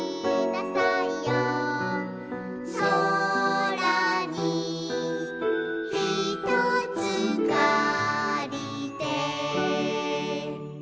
「そらにひとつかりて」